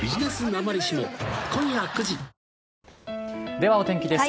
では、お天気です。